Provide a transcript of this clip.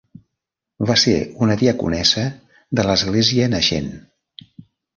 Va ser una diaconessa de l'església naixent.